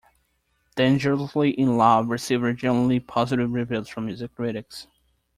"Dangerously in Love" received generally positive reviews from music critics.